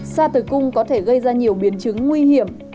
da tử cung có thể gây ra nhiều biến chứng nguy hiểm